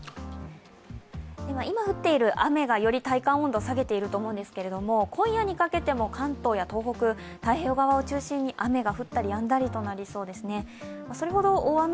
今降っている雨がより体感温度を下げていると思うんですけれども、今夜にかけても関東や東北、太平洋側を中心に雨が降ったりやんだりとなります。